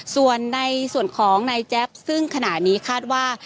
ส่วนของในแจ๊บซึ่งขณะนี้คาดว่า